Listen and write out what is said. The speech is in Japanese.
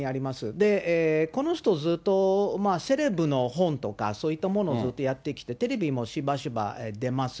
で、この人、ずっとセレブの本とか、そういったものをずっとやってきて、テレビもしばしば出ます。